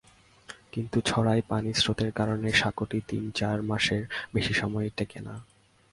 কিন্তু ছড়ায় পানির স্রোতের কারণে সাঁকোটি তিন-চার মাসের বেশি সময় টেকে না।